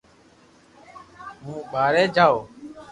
ھون ٻاري جاو